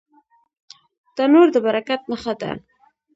تنور د برکت نښه ده